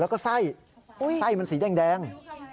แล้วก็ไส้ไส้มันสีแดง